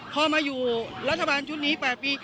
พอมาอยู่รัฐบาลชุดนี้๘ปี